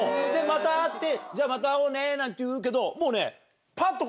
また会ってじゃまた会おうねなんて言うけどもうねパッと。